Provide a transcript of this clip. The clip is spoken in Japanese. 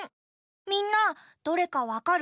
みんなどれかわかる？